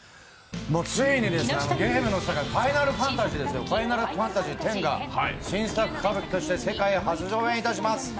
ついにゲームの世界、「ファイナルファンタジーⅩ」が新作歌舞伎として世界初上演いたします。